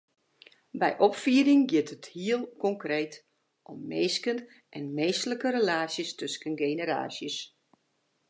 By opfieding giet it heel konkreet om minsken en minsklike relaasjes tusken generaasjes.